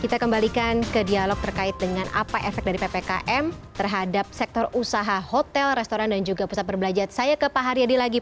kita kembalikan ke dialog terkait dengan apa efek dari ppkm terhadap sektor usaha hotel restoran dan juga pusat perbelanjaan saya ke pak haryadi lagi